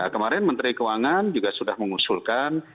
kemarin menteri keuangan juga sudah mengusulkan